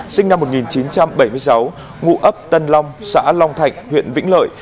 sinh năm một nghìn chín trăm bảy mươi sáu ngụ ấp tân long xã long thạnh huyện vĩnh lợi